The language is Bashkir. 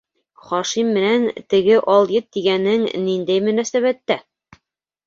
Хашим менән... теге алйот тигәнең ниндәй мөнәсәбәттә?